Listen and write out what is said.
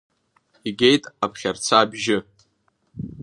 Игеит аԥхьарца абжьы…